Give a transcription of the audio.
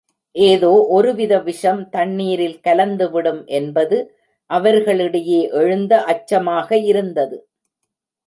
ஏதோ ஒரு வித விஷம் தண்ணீரில் கலந்து விடும் என்பது அவர்களிடையே எழுந்த அச்சமாக இருந்தது.